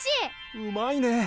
うまいね！